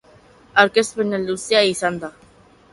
Aurkezpena luzeegia izan da.